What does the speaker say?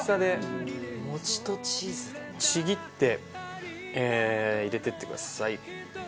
ちぎって入れていってください。